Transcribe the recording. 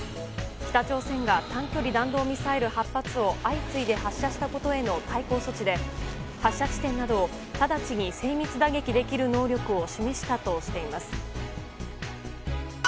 北朝鮮が短距離弾道ミサイル８発を相次いで発射したことへの対抗措置で発射地点など直ちに精密打撃できる能力を示したとしています。